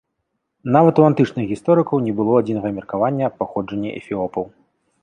Нават у антычных гісторыкаў не было адзінага меркавання аб паходжанні эфіопаў.